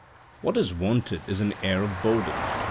What is wanted is an air of boredom.